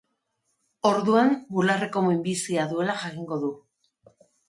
Orduan bularreko minbizia duela jakingo du.